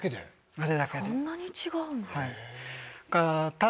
そんなに違うんだ。